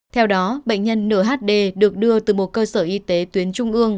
theo đó bệnh nhân nửa hd được đưa từ một cơ sở y tế tuyến trung ương